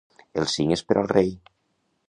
El cinc és per al rei.